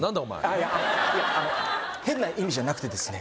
いやいやあの変な意味じゃなくてですね